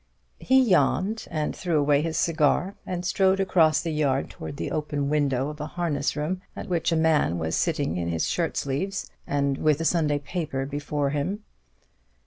He yawned and threw away his cigar, and strode across the yard towards the open window of a harness room, at which a man was sitting in his shirt sleeves, and with a Sunday paper before him.